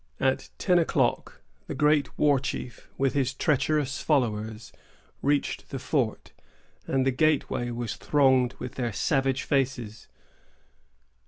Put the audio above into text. At ten o'clock, the great war chief, with his treacherous followers, reached the fort, and the gateway was thronged with their savage faces.